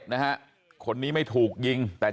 บอกแล้วบอกแล้วบอกแล้ว